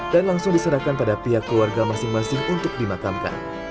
dan langsung diserahkan pada pihak keluarga masing masing untuk dimakamkan